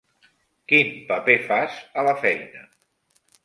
Quin paper fas, a la feina?